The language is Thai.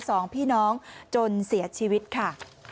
สองพี่น้องจนเสียชีวิตค่ะ